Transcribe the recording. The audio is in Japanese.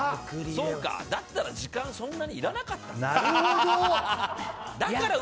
だったら時間そんなにいらなかった。